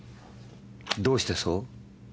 どうしてそう？